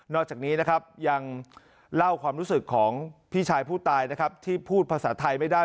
นอกจากนี้อย่างเล่าความรู้สึกของพี่ชายผู้ตายที่พูดภาษาไทยไม่ได้